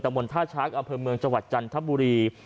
ตะมนต์ธาชักอำเภอเมืองจังหวัดจันทบุรี